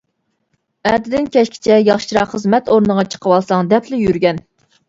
ئەتىدىن كەچكىچە ياخشىراق خىزمەت ئورنىغا چىقىۋالساڭ دەپلا يۈرگەن!